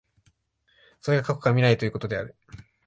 それが過去から未来へということである。